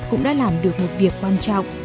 cũng đã làm được một việc quan trọng